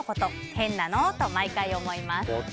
変なのと毎回思います。